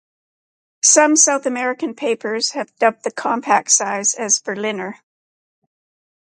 Some South American papers have dubbed the "compact" size as "Berliner".